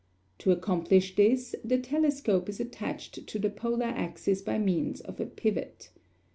To accomplish this, the telescope is attached to the polar axis by means of a pivot.